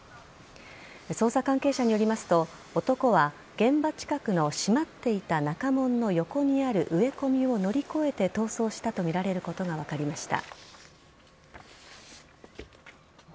捜査関係者によりますと、男は現場近くの閉まっていた中門の横にある植え込みを乗り越えて逃走したとみられていることが分かりました。